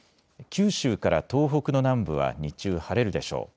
九州から東北の南部は日中晴れるでしょう。